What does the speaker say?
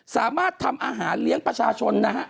สามารถทำอาหารเลี้ยงประชาชนนะฮะ